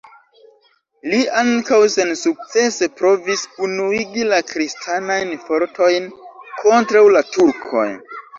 Li ankaŭ sensukcese provis unuigi la kristanajn fortojn kontraŭ la Turkoj.